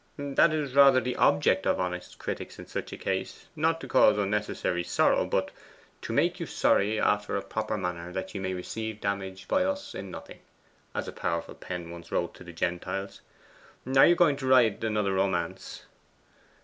'That is rather the object of honest critics in such a case. Not to cause unnecessary sorrow, but: "To make you sorry after a proper manner, that ye may receive damage by us in nothing," as a powerful pen once wrote to the Gentiles. Are you going to write another romance?